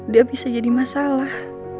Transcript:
dia bisa jadi masalah